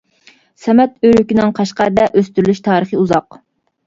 سەمەت ئۆرۈكىنىڭ قەشقەر دە ئۆستۈرۈلۈش تارىخى ئۇزاق.